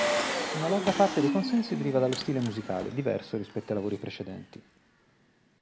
Una larga parte dei consensi deriva dallo stile musicale, diverso rispetto ai lavori precedenti.